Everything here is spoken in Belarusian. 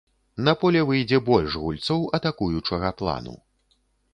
На поле выйдзе больш гульцоў атакуючага плану.